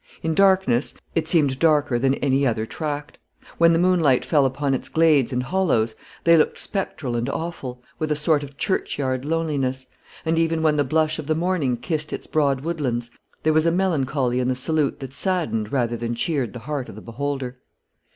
In darkness, it seemed darker than any other tract; when the moonlight fell upon its glades and hollows, they looked spectral and awful, with a sort of churchyard loneliness; and even when the blush of the morning kissed its broad woodlands, there was a melancholy in the salute that saddened rather than cheered the heart of the beholder.